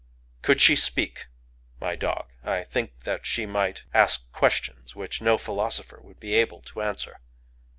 Could she speak, my dog, I think that she might ask questions which no philosopher would be able to answer.